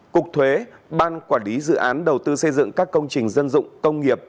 cục thuế ban quản lý dự án đầu tư xây dựng các công trình dân dụng công nghiệp